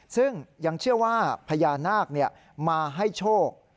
ซึ่งยังเชื่อว่าพญานาคมาให้โชค